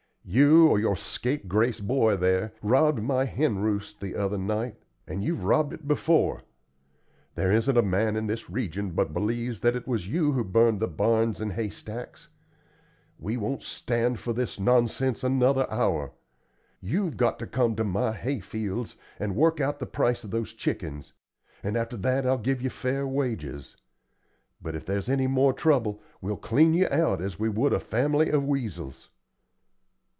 "You, or your scapegrace boy there, robbed my hen roost the other night, and you've robbed it before. There isn't a man in this region but believes that it was you who burned the barns and hay stacks. We won't stand this nonsense another hour. You've got to come to my hay fields and work out the price of those chickens, and after that I'll give you fair wages. But if there's any more trouble, we'll clean you out as we would a family of weasels."